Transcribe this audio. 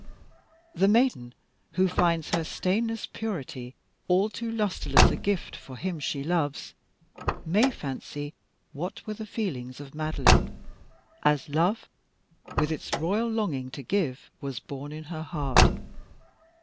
The maiden who finds her stainless purity all too lustreless a gift for him she loves, may fancy what were the feelings of Madeline, as love, with its royal longing to give, was born in her heart.